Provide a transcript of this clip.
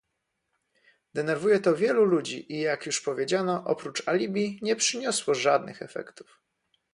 Denerwuje to wielu ludzi i jak już powiedziano, oprócz alibi nie przyniosło żadnych efektów